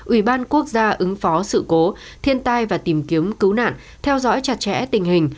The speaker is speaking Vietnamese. ủy ban quốc gia ứng phó sự cố thiên tai và tìm kiếm cứu nạn theo dõi chặt chẽ tình hình